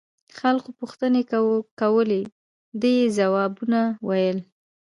خلقو پوښتنې کولې ده يې ځوابونه ويل.